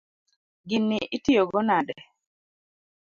Gini itiyo go nade?